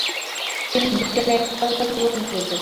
তিনি ব্রিটেনে কর্মজীবন গড়ে তোলেন।